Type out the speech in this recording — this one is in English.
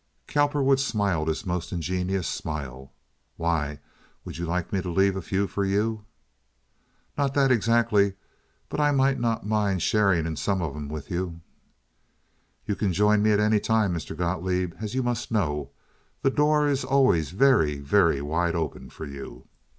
Cowperwood smiled his most ingenuous smile. "Why? Would you like me to leave a few for you?" "Not dot exzagly, but I might not mint sharink in some uff dem wit you." "You can join with me at any time, Mr. Gotloeb, as you must know. The door is always very, very wide open for you."